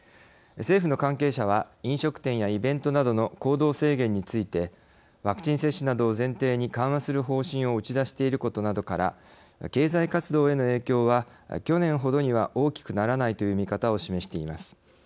政府の関係者は飲食店やイベントなどの行動制限についてワクチン接種などを前提に緩和する方針を打ち出していることなどから経済活動への影響は去年ほどには大きくならないという見方を示しています。